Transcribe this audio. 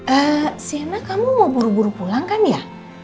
eee sienna kamu mau buru buru pulang kan ya